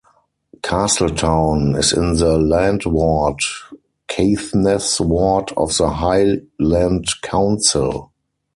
Castletown is in the Landward Caithness ward of the Highland Council.